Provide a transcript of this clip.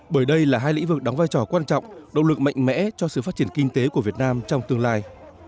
bởi đây là hai lĩnh vực đóng vai trò quan trọng động lực mạnh mẽ cho sự phát triển kinh tế của việt nam trong tương lai